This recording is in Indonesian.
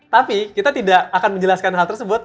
tapi kita tidak akan menjelaskan hal tersebut